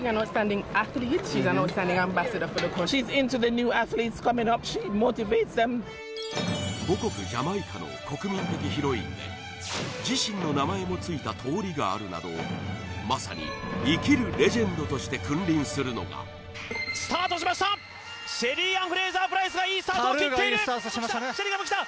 ニトリ母国ジャマイカの国民的ヒロインで自身の名前もついた通りがあるなどまさに生きるレジェンドとして君臨するのがスタートしましたシェリーアン・フレイザープライスがいいスタートを切っているタルーがいいスタートしましたね